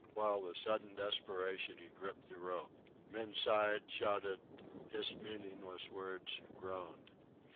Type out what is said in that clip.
while with sudden desperation he gripped the rope. Men sighed, shouted, hissed meaningless words, groaned.